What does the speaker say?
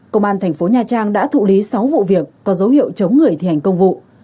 công an thành phố nha trang đã thụ lý sáu vụ việc có dấu hiệu chống người thi hành công vụ